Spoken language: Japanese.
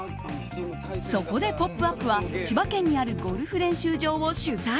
そこで「ポップＵＰ！」は千葉県にあるゴルフ練習場を取材。